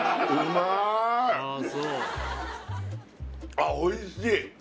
あっおいしい